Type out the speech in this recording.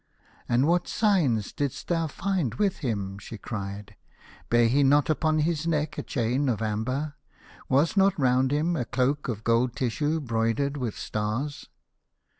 " And what signs didst thou find with him ?" she cried. " Bare he not upon his neck a chain of amber? Was not round him a cloak of gold tissue broidered with stars